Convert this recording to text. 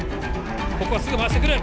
ここはすぐ回してくる。